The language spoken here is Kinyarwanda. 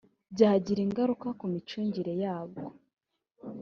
byagira ingaruka ku micungire yabwo